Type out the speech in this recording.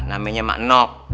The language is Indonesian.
namanya mak enok